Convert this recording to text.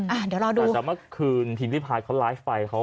อ่าเดี๋ยวรอดูอาจจะเมื่อคืนทีมที่พายเขาไลฟ์ไป